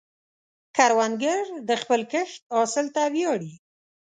کروندګر د خپل کښت حاصل ته ویاړي